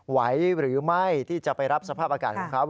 ไหวหรือไม่ที่จะไปรับสภาพอากาศของเขา